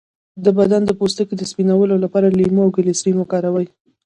د بدن د پوستکي د سپینولو لپاره د لیمو او ګلسرین وکاروئ